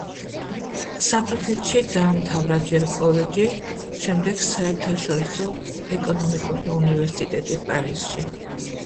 საფრანგეთში დაამთავრა ჯერ კოლეჯი, შემდეგ საერთაშორისო ეკონომიკური უნივერსიტეტი პარიზში.